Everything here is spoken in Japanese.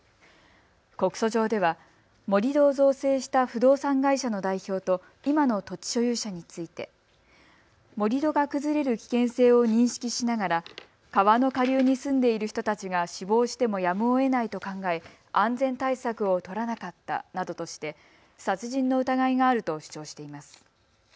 告訴状では盛り土を造成した不動産会社の代表と今の土地所有者について盛り土が崩れる危険性を認識しながら川の下流に住んでいる人たちが死亡してもやむをえないと考え安全対策を取らなかったなどとして殺人の疑いがあると主張しています。